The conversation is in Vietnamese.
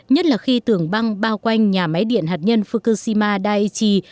nhất là khi tường băng bao quanh nhà máy điện hạt nhân fukushima daiichi